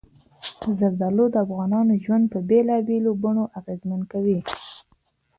زردالو د افغانانو ژوند په بېلابېلو بڼو اغېزمن کوي.